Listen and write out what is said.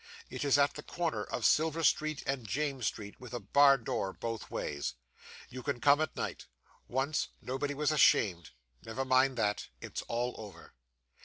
It is at the corner of Silver Street and James Street, with a bar door both ways. You can come at night. Once, nobody was ashamed never mind that. It's all over.